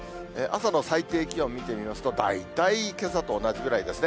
朝の最低気温見てみますと、大体けさと同じぐらいですね。